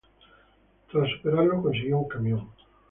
Tras superarlos consiguió un camión.